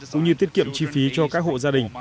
cũng như tiết kiệm chi phí cho các hộ gia đình